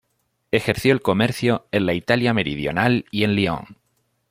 Ejerció el comercio en la Italia meridional y en Lyon.